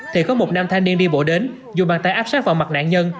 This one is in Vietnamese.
thì có một nam thanh niên đi bộ đến dù bàn tay áp sát vào mặt nạn nhân